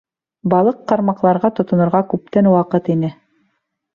Балыҡ ҡармаҡларға тотонорға күптән ваҡыт ине.